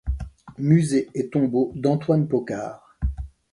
Musée et tombeau d'Antoine Paucard.